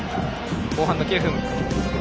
後半の９分。